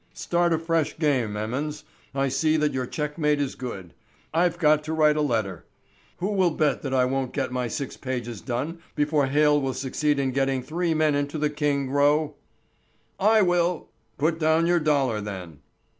Start a fresh game, Emmons. I see that your checkmate is good. I've got to write a letter. Who will bet that I won't get my six pages done before Hale will succeed in getting three men into the king row?" "I will!" "Put down your dollar then!"